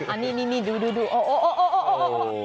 อันนี้ดูโอ้โห